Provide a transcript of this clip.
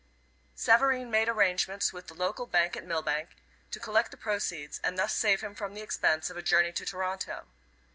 Savareen made arrangements with the local bank at Millbank to collect the proceeds, and thus save him the expense of a journey to Toronto.